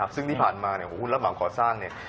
ซึ่งที่ผ่านมาของหุ้นรับเหมาก่อสร้าง